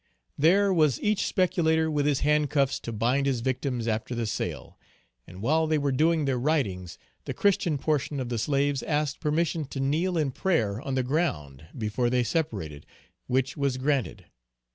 There was each speculator with his hand cuffs to bind his victims after the sale; and while they were doing their writings, the Christian portion of the slaves asked permission to kneel in prayer on the ground before they separated, which was granted.